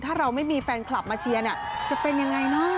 ถ้าเราไม่มีแฟนคลับมาเชียร์เนี่ยจะเป็นยังไงเนอะ